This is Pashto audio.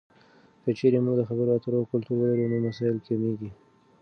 که چیرته موږ د خبرو اترو کلتور ولرو، نو مسایل کمېږي.